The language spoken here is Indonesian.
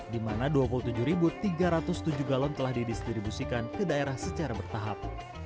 di mana dua puluh tujuh tiga ratus tujuh galon telah didistribusikan ke daerah secara bertahap